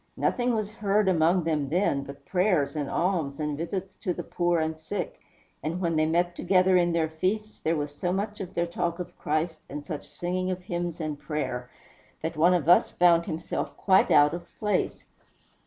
Nothing was heard among them, then, but prayers, and alms, and visits to the poor and sick; and when they met together in their feasts, there was so much of their talk of Christ, and such singing of hymns and prayer, that one of us found himself quite out of place."